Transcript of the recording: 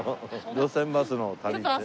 『路線バスの旅』ってね。